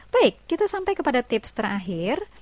baik kita sampai kepada tips terakhir